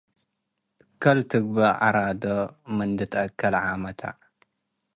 ከል ትገብእ ዐራዶ ምንዲ ተአኬ ለዓመተ